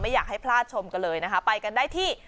อยากให้พลาดชมกันเลยนะคะไปกันได้ที่